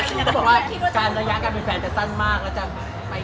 อันนี้แหละที่ทุกคนคิดค่ะมีแฟนมั้ยนะ